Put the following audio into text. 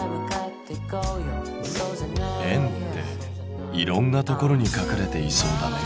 円っていろんなところに隠れていそうだね。